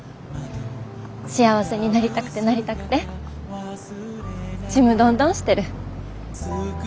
幸せになりたくてなりたくてちむどんどんしてる。